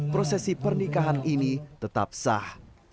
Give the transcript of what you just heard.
prosesi pernikahan ini tetap sah